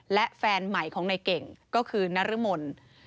และแฟนใหม่ของในเก่งก็คือนรมน